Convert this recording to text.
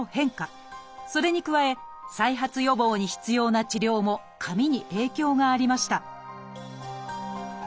それに加え再発予防に必要な治療も髪に影響がありました